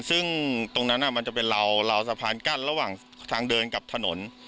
ซึ่งตรงนั้นมันจะเป็นราวสะพานกั้นระหว่างทางเดินกับถนน